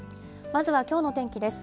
まずはきょうの天気です。